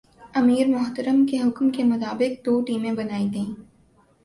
امیر محترم کے حکم کے مطابق دو ٹیمیں بنائی گئیں ۔